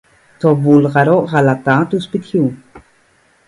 Το Βούλγαρο γαλατά του σπιτιού.